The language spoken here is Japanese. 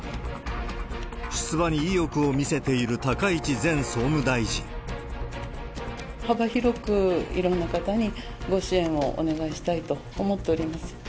出馬に意欲を見せている高市前総幅広く、いろんな方にご支援をお願いしたいと思っております。